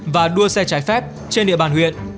và đua xe trái phép trên địa bàn huyện